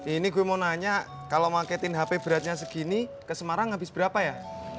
ini gue mau nanya kalau mangketin hp beratnya segini ke semarang habis berapa ya